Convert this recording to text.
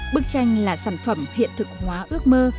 bức tranh là sản phẩm hiện thực hóa ước mơ